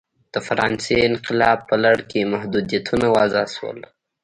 د فرانسې انقلاب په لړ کې محدودیتونه وضع شول.